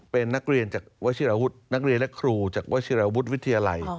เป็นนักเรียนจากวชิราวุฒินักเรียนและครูจากวชิราวุฒิวิทยาลัย